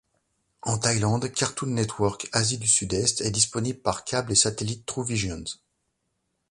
En Thaïlande, Cartoon Network Asie du Sud-Est est disponible par câble et satellite TrueVisions.